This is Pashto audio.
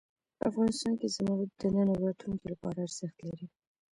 افغانستان کې زمرد د نن او راتلونکي لپاره ارزښت لري.